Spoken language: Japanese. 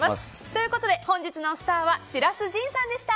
ということで本日のスターは白洲迅さんでした。